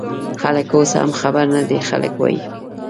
خلک اوس هم خبر نه دي، خلک وايي